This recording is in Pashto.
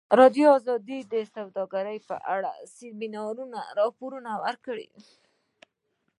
ازادي راډیو د سوداګري په اړه د سیمینارونو راپورونه ورکړي.